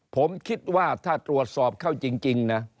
ผมคิดว่าถ้าตรวจสอบเข้าจริงนะ